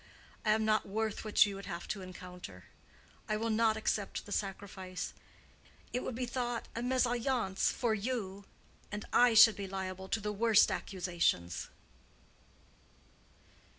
I am not worth what you would have to encounter. I will not accept the sacrifice. It would be thought a mésalliance for you and I should be liable to the worst accusations."